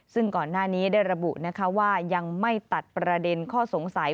ซึ่งก่อนหน้านี้ได้ระบุว่ายังไม่ตัดประเด็นข้อสงสัย